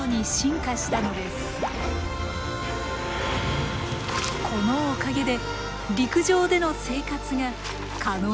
このおかげで陸上での生活が可能になりました。